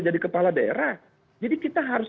jadi kepala daerah jadi kita harus